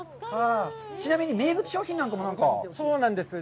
ちなみに名物商品なんかも作ったんですか。